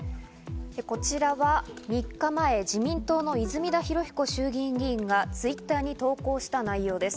こちらは３日前、自民党の泉田裕彦衆議院議員がＴｗｉｔｔｅｒに投稿した内容です。